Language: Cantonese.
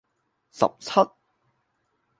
十七